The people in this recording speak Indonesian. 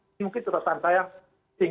ini mungkin contoh tanda yang sing